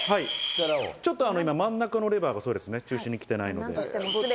ちょっと真ん中のレバーが中心に来てないので。